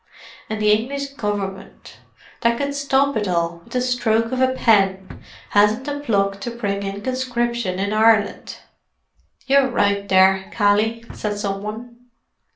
An' the English Gov'mint, that could stop it all with the stroke of a pen, hasn't the pluck to bring in conscription in Ireland." "You're right there, Cally," said some one.